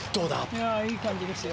いやあいい感じですよ。